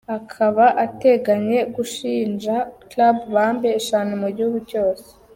Akaba ateganya gushinga “Club Bambe” eshanu mu gihugu cyose.